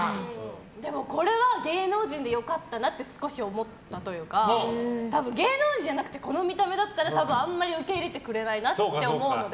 でも、これは芸能人で良かったなと少し思ったというか芸能人じゃなくてこの見た目だったら多分、あんまり受け入れてくれないなと思うので。